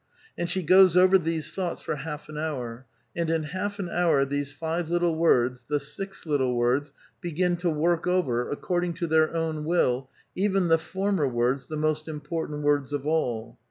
And she goes over these thoughts for'half an hour ; and in half an hour these five little words, the six little words, begin to work over, according to their own will, even the former words, the most important words of all.